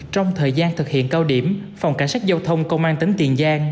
trong thời gian thực hiện cao điểm phòng cảnh sát giao thông công an tỉnh tiền giang